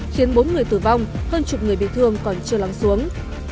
khiến bốn người tử vong hơn chục người bị thương còn chưa lắng xuống